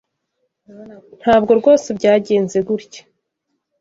Ntabwo rwose byagenze gutya.